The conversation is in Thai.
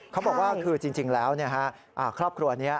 เขาบอกว่าคือจริงแล้วครอบครัวนี้